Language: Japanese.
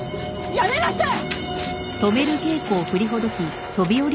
やめなさい！